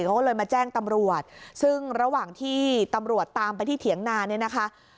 เขาก็เลยมาแจ้งตำรวจซึ่งระหว่างที่ตำรวจตามไปที่เถียงนาเนี่ยนะคะ